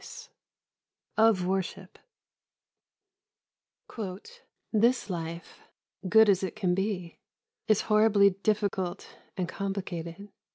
II OF WORSHIP "This life good as it can be is horribly difficult and complicated.